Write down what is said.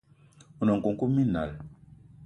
One nkoukouma minal